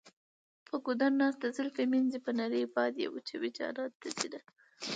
په ګودر ناسته زلفې مینځي په نري باد یې وچوي جانان ته ځینه.